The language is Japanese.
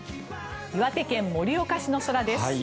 岩手県盛岡市の空です。